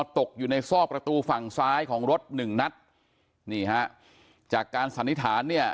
ตกอยู่ในซอกประตูฝั่งซ้ายของรถหนึ่งนัดนี่ฮะจากการสันนิษฐานเนี่ย